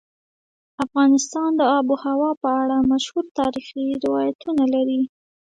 افغانستان د آب وهوا په اړه مشهور تاریخی روایتونه لري.